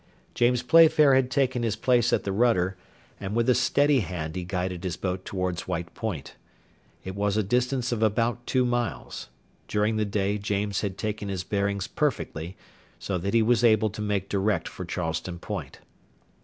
James Playfair had taken his place at the rudder, and with a steady hand he guided his boat towards White Point. It was a distance of about two miles; during the day James had taken his bearings perfectly, so that he was able to make direct for Charleston Point.